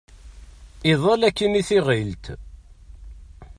Iḍall akkin i tiɣilt.